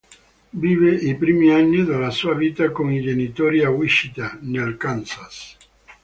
Vive i primi anni della sua vita, con i genitori a Wichita, nel Kansas.